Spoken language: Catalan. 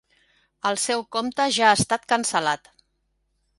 El seu compte ja ha estat cancel·lat.